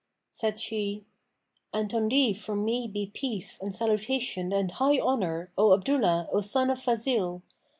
Said she, 'And on thee from me be peace and salutation and high honour, O Abdullah, O son of Fazil!